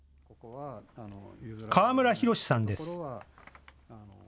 河村宏さんです。